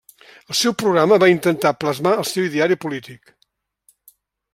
El seu programa va intentar plasmar el seu ideari polític.